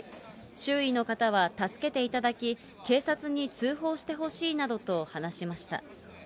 周囲の方は助けていただき、警察に通報してほしいなどと話しました。